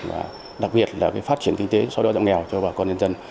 và đặc biệt là phát triển kinh tế xóa đói giảm nghèo cho bà con nhân dân